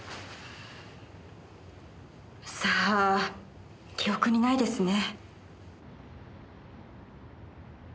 さあ記憶にないですね。